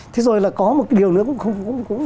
thế rồi là có một điều nữa cũng